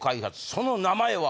その名前は？